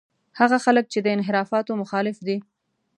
هغه خلک چې د انحرافاتو مخالف دي.